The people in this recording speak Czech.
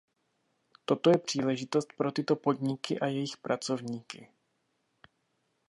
Toto je příležitost pro tyto podniky a jejich pracovníky.